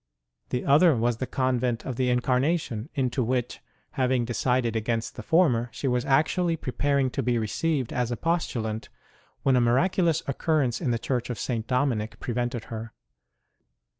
The other was the Convent of the Incarnation, into which, having decided against the former, she was actually preparing to be received as a postulant, when a miraculous occurrence in the Church of St. Dominic pre vented her.